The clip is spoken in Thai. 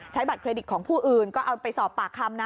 บัตรเครดิตของผู้อื่นก็เอาไปสอบปากคำนะ